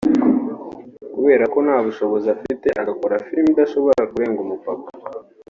kubera ko nta bushobozi afite agakora filime idashobora kurenga umupaka